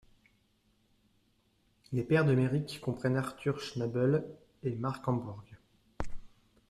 Les pairs de Merrick comprennent Artur Schnabel et Mark Hambourg.